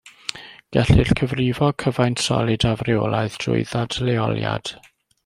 Gellir cyfrifo cyfaint solid afreolaidd drwy ddadleoliad.